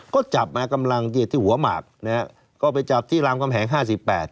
ก็จับมากำลังที่หัวหมากนะฮะก็ไปจับที่รามกำแหงห้าสิบแปด